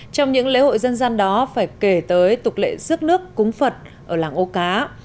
trong những lễ hội dân gian đó phải kể tới tục lệ rước nước cúng phật ở làng ô cá